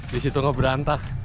di situ gak berantak